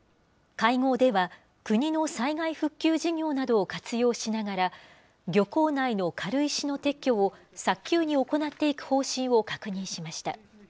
会合では、国の災害復旧事業などを活用しながら、漁港内の軽石の撤去を早急に行っていく方針を確認しました。